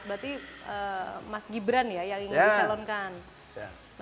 berarti mas gibran ya yang ingin dicalonkan